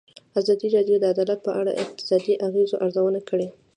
ازادي راډیو د عدالت په اړه د اقتصادي اغېزو ارزونه کړې.